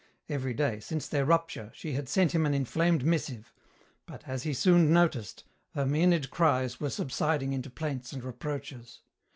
Every day, since their rupture, she had sent him an inflamed missive, but, as he soon noticed, her Mænad cries were subsiding into plaints and reproaches.